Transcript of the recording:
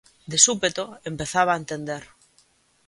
De súpeto empezaba a entender.